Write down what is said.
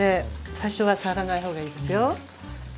最初は触らない方がいいですよ。